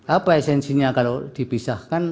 apa esensinya kalau dipisahkan